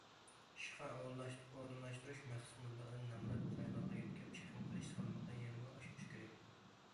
ئىشقا ئورۇنلاشتۇرۇش مەخسۇس مەبلىغىدىن نامرات رايونلارغا يۆتكەپ چىقىم قىلىش سالمىقىنى يەنىمۇ ئاشۇرۇش كېرەك.